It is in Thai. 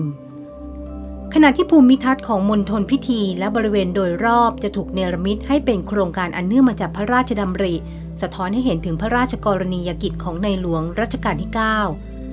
ขณะที่ภูมิทัศน์ของมณฑลพิธีและบริเวณโดยรอบจะถูกเนรมิตให้เป็นโครงการอันเนื่องมาจากพระราชดำริสะท้อนให้เห็นถึงพระราชกรณียกิจของในหลวงรัชกาลที่เก้า